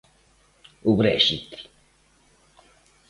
O Brexit.